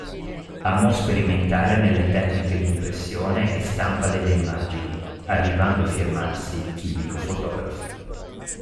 Amò sperimentare nelle tecniche di impressione e stampa delle immagini, arrivando a firmarsi "chimico-fotografo".